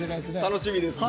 楽しみですね。